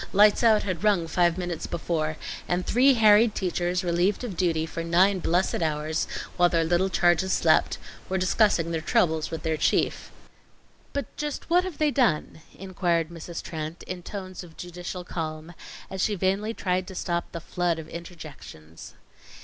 "Lights out" had rung five minutes before, and three harried teachers, relieved of duty for nine blessed hours while their little charges slept, were discussing their troubles with their chief. "But just what have they done?" inquired Mrs. Trent, in tones of judicial calm, as she vainly tried to stop the flood of interjections.